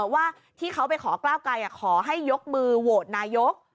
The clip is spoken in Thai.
ว่าที่เขาไปขอก้าวไกลขอให้ยกมือโหวตนายก